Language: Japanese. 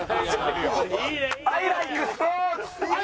アイライクスポーツ。